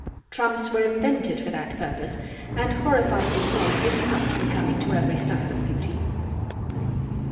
Trumps were invented for that purpose, and horrified dismay is not becoming to every style of beauty.